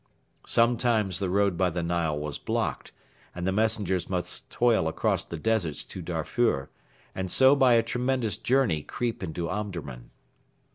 Sometimes the road by the Nile was blocked, and the messengers must toil across the deserts to Darfur, and so by a tremendous journey creep into Omdurman.